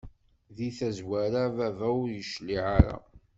Di tazwara baba ur yecliɛ ara.